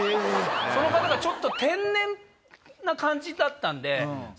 その方がちょっと天然な感じだったんで。